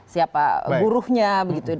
siapa buruhnya begitu